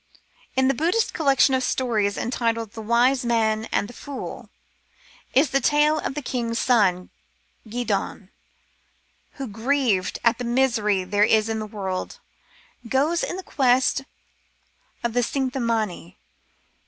In the Buddhist collection of stories entitled The Wise Man and the Fool is the tale of the king's son, Gedon, who, grieved at the misery there is in the world, goes in quest of the " Tschinta mani."